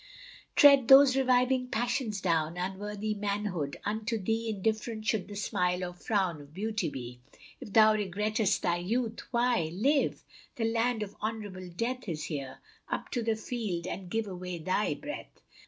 Tread those reviving passions down, Unworthy manhood! unto thee Indifferent should the smile or frown Of beauty be. If thou regrett'st thy youth, why live? The land of honorable death Is here: up to the field, and give Away thy breath!